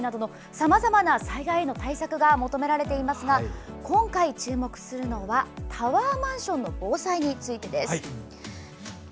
さまざまな災害への対策が求められていますが今回注目するのはタワーマンションの防災についてです。